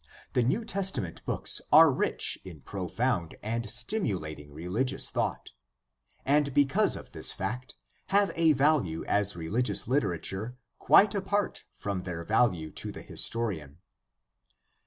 The New Testament books are rich in profound and stimulat ing religious thought, and because of this fact have a value as religious literature quite apart from their value to the historian.